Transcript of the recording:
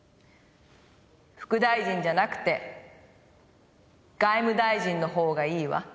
副大臣じゃなくて外務大臣のほうがいいわ。